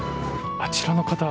あちらの方